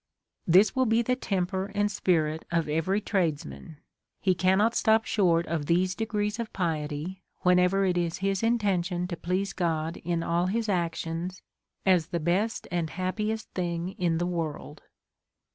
This will be the temper and spirit of every tradesman ; he can not stop short of these degrees of piety, whenever it is his intention to please God in all his actions, as the best and happiest thing in the world.